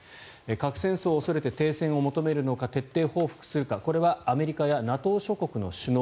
核戦争を恐れて停戦を求めるのか徹底報復するか、これはアメリカやＮＡＴＯ諸国の首脳